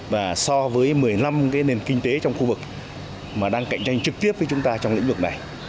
và so với một mươi năm cái nền kinh tế trong khu vực mà đang cạnh tranh trực tiếp với chúng ta trong lĩnh vực này